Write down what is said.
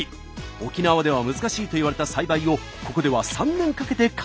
沖縄では難しいといわれた栽培をここでは３年かけて可能にしたんです。